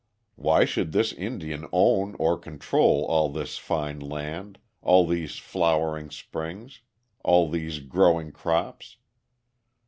Why should this Indian own or control all this fine land, all these flowing springs, all these growing crops?